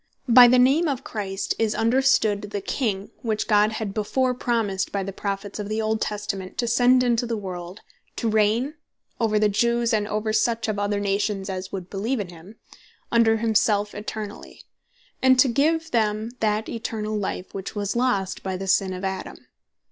By the name of Christ, is understood the King, which God had before promised by the Prophets of the Old Testament, to send into the world, to reign (over the Jews, and over such of other nations as should beleeve in him) under himself eternally; and to give them that eternall life, which was lost by the sin of Adam.